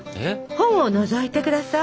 本をのぞいて下さい。